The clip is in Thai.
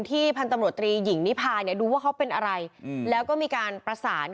ที่พันธมโรตรีหญิงนิภาดูว่าเขาเป็นอะไรแล้วก็มีการประสาน